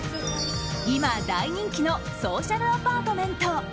今、大人気のソーシャルアパートメント。